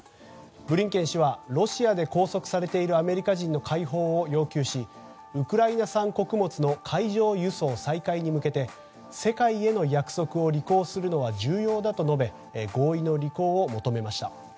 ブリンケン氏はロシアで拘束されているアメリカ人の解放を要求しウクライナ産穀物の海上輸送再開に向けて世界への約束を履行するのは重要だと述べ合意の履行を求めました。